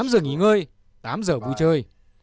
tám giờ nghỉ ngơi tám giờ vui chơi